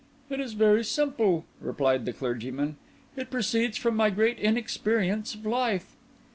"It is very simple," replied the clergyman; "it proceeds from my great inexperience of life."